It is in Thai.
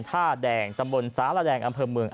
ท่าแดงสมบนสาหร่าแดงอำเภอเมือง